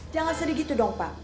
jangan sedih gitu dong pak